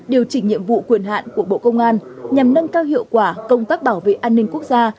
điều chỉnh nhiệm vụ quyền hạn của bộ công an nhằm nâng cao hiệu quả công tác bảo vệ an ninh quốc gia